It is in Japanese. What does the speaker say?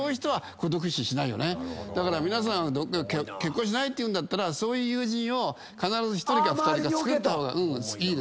皆さん結婚しないっていうんだったらそういう友人を１人か２人つくった方がいい。